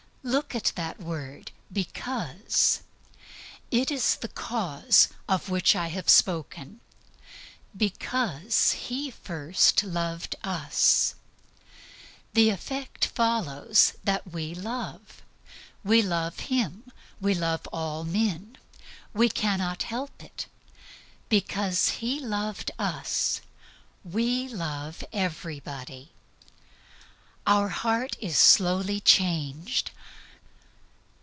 Look at that word "because." It is the cause of which I have spoken. "Because He first loved us," the effect follows that we love, we love Him, we love all men. We cannot help it. Because He loved us, we love, we love everybody. Our heart is slowly changed.